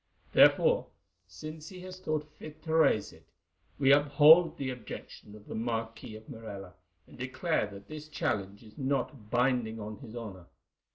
Therefore, since he has thought fit to raise it, we uphold the objection of the Marquis of Morella, and declare that this challenge is not binding on his honour.